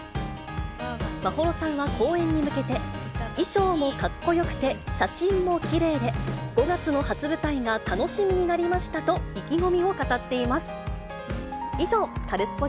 眞秀さんは公演に向けて、衣装もかっこよくて、写真もきれいで、５月の初舞台が楽しみになりましたと意気込みを語っています。